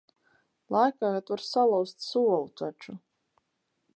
Lēkājot var salauzt solu taču.